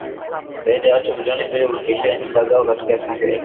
zaidi ya watu milioni mbili kukimbia nyumba zao katika Saheli